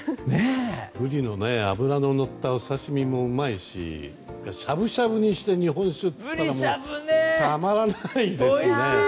ブリの脂ののったお刺し身もうまいししゃぶしゃぶにして日本酒っていうのはたまらないですね。